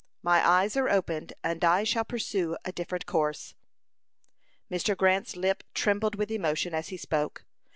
My eyes are opened, and I shall pursue a different course." Mr. Grant's lip trembled with emotion as he spoke. Mr.